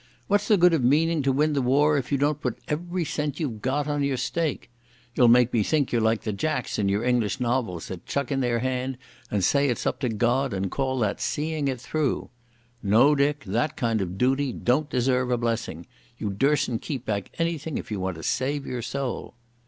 What's the good of meaning to win the war if you don't put every cent you've got on your stake? You'll make me think you're like the jacks in your English novels that chuck in their hand and say it's up to God, and call that 'seeing it through'.... No, Dick, that kind of dooty don't deserve a blessing. You dursn't keep back anything if you want to save your soul.